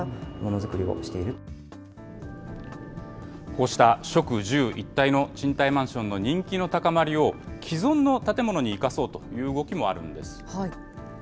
こうした職住一体の賃貸マンションの人気の高まりを、既存の建物に生かそうという動きもあるんです。